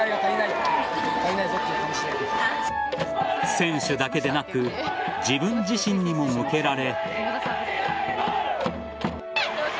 選手だけでなく自分自身にも向けられ。